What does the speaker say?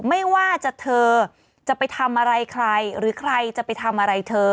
ไม่ว่าจะเธอจะไปทำอะไรใครหรือใครจะไปทำอะไรเธอ